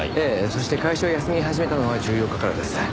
そして会社を休み始めたのは１４日からです。